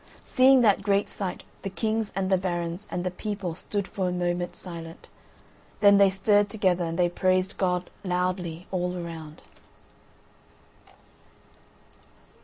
Seeing that great sight the kings and the barons and the people stood for a moment silent, then they stirred together and they praised God loudly all around.